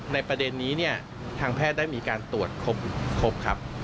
ประเด็นนี้เนี่ยทางแพทย์ได้มีการตรวจครบครับ